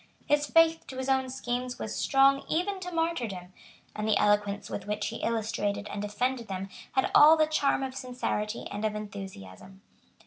His faith to his own schemes was strong even to martyrdom; and the eloquence with which he illustrated and defended them had all the charm of sincerity and of enthusiasm.